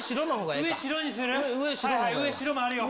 上、白もあるよ。